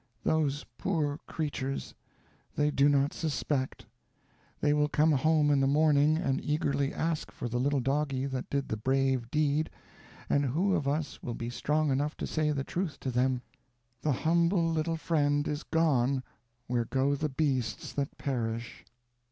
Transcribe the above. "Those poor creatures! They do not suspect. They will come home in the morning, and eagerly ask for the little doggie that did the brave deed, and who of us will be strong enough to say the truth to them: 'The humble little friend is gone where go the beasts that perish.'"